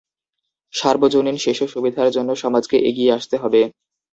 সর্বজনীন শিশু সুবিধার জন্য সমাজকে এগিয়ে আসতে হবে।